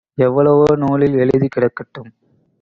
எவ்வளவோ நூலில் எழுதிக் கிடக்கட்டும்.